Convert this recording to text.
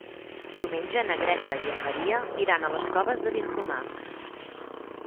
Diumenge na Greta i en Maria iran a les Coves de Vinromà.